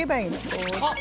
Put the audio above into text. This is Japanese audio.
こうして。